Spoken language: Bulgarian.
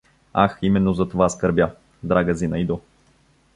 — Ах, именно за това скърбя, драга Зинаидо.